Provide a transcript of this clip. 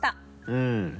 うん。